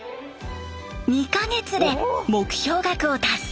２か月で目標額を達成！